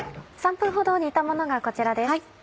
３分ほど煮たものがこちらです。